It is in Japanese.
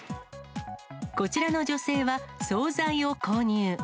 こちらの女性は、総菜を購入。